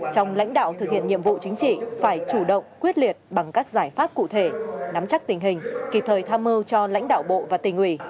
trong lãnh đạo thực hiện nhiệm vụ chính trị phải chủ động quyết liệt bằng các giải pháp cụ thể nắm chắc tình hình kịp thời tham mưu cho lãnh đạo bộ và tỉnh ủy